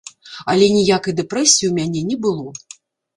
Але ніякай дэпрэсіі ў мяне не было.